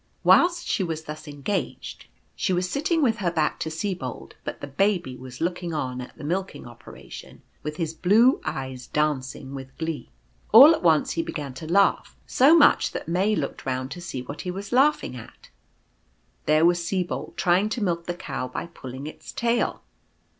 Whilst she was thus engaged, she was sitting with her A A ■ 1 i .'t 1 7 8 The Cow speaks. back to Sibold ; but the Baby was looking on at the milking operation, with his blue eyes dancing with glee. All at once he began to laugh, so much that May looked round to see what he was laughing at. There was Sibold trying to milk the Cow by pulling its tail.